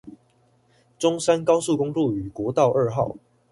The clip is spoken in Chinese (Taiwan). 中山高速公路與國道二號